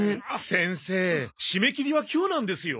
先生締め切りは今日なんですよ。